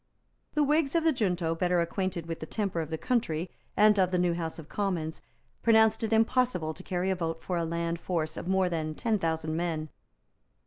The Whigs of the junto, better acquainted with the temper of the country and of the new House of Commons, pronounced it impossible to carry a vote for a land force of more than ten thousand men.